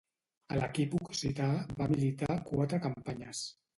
A l'equip occità va militar quatre campanyes.